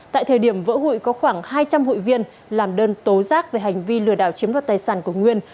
tại thời điểm vỡ hụi có khoảng hai trăm linh hụi viên làm đơn tố giác về hành vi lừa đảo chiếm đoạt tài sản của nguyên